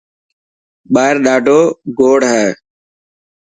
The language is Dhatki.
ٻاهر ڏاڌوگوڙ هي.